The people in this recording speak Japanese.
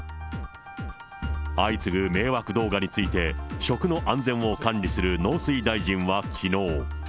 相次ぐ迷惑動画について、食の安全を管理する農水大臣はきのう。